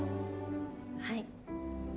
はい。